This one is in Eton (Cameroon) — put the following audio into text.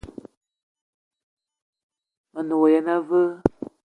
Me ne wa yene aveu?